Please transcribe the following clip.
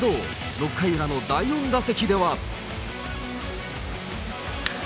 ６回裏の第４打席では。